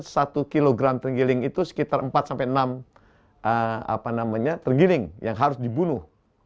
satu kilogram tenggiling itu sekitar empat sampai enam apa namanya tenggiling yang harus dibunuh